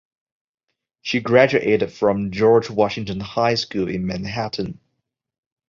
She graduated from George Washington High School in Manhattan.